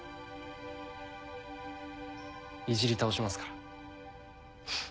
いじり倒しますから。